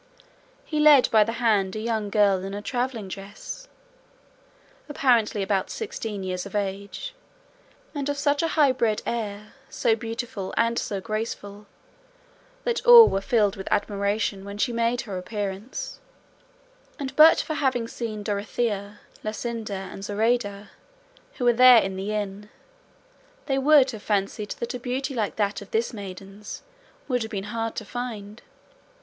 He led by the hand a young girl in a travelling dress, apparently about sixteen years of age, and of such a high bred air, so beautiful and so graceful, that all were filled with admiration when she made her appearance, and but for having seen Dorothea, Luscinda, and Zoraida, who were there in the inn, they would have fancied that a beauty like that of this maiden's would have been hard to find.